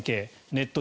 ネット